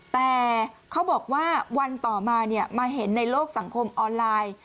แต่เขาบอกว่าวันต่อมามาเห็นในโลกสังคมออนไลน์